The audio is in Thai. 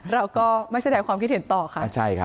เราก็ไม่แสดงความคิดเห็นต่อค่ะ